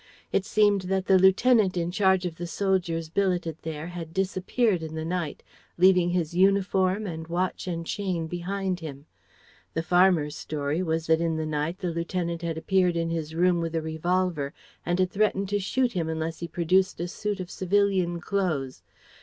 It seemed that the lieutenant in charge of the soldiers billeted there had disappeared in the night, leaving his uniform and watch and chain behind him. The farmer's story was that in the night the lieutenant had appeared in his room with a revolver and had threatened to shoot him unless he produced a suit of civilian clothes.